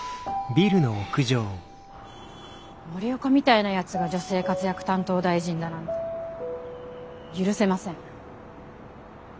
森岡みたいなヤツが女性活躍担当大臣だなんて許せません。